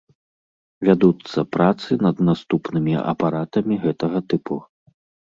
Вядуцца працы над наступнымі апаратамі гэтага тыпу.